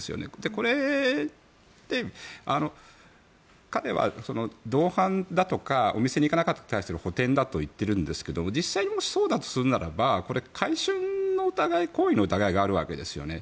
これって彼は同伴だとかお店にいかなかったことに対する補てんだと言っているんですが実際にもしそうだとするならば買春の行為の疑いがあるわけですよね。